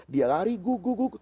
dia lari guk guk guk